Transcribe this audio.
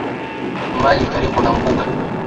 mbali karibu na mbuga